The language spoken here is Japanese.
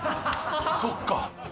そっか。